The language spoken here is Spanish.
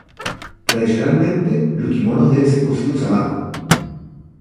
Tradicionalmente los kimonos deben ser cosidos a mano.